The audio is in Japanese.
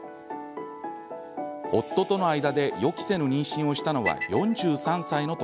夫との間で予期せぬ妊娠をしたのは４３歳の時。